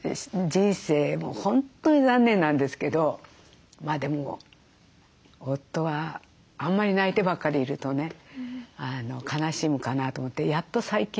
もう本当に残念なんですけどでも夫はあんまり泣いてばっかりいるとね悲しむかなと思ってやっと最近。